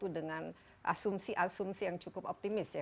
dengan asumsi asumsi yang cukup optimis ya